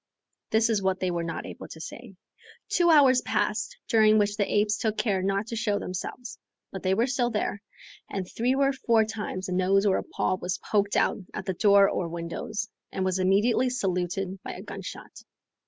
this is what they were not able to say. Two hours passed, during which the apes took care not to show themselves, but they were still there, and three or four times a nose or a paw was poked out at the door or windows, and was immediately saluted by a gun shot.